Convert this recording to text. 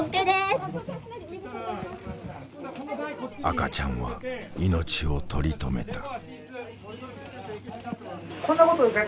赤ちゃんは命を取り留めた。